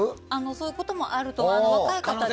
そういうこともあるかなと。